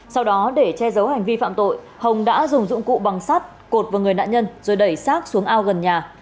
sau đó để che giấu hành vi phạm tội hồng đã dùng dụng cụ bằng sắt cột vào người nạn nhân rồi đẩy sát xuống ao gần nhà